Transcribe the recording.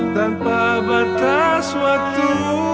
tanpa batas waktu